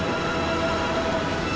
terima kasih di ajak